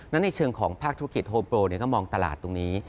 ในเชิงของภาคธุรกิจโฮโปรก็มองตลาดตรงนี้